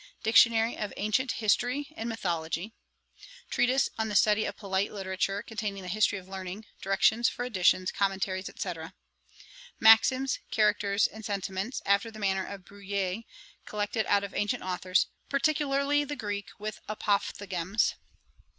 'Dictionary of Ancient History and Mythology. 'Treatise on the Study of Polite Literature, containing the history of learning, directions for editions, commentaries, &c. 'Maxims, Characters, and Sentiments, after the manner of Bruyère, collected out of ancient authours, particularly the Greek, with Apophthegms.